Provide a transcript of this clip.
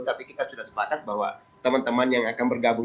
tapi kita sudah sepakat bahwa teman teman yang akan bergabung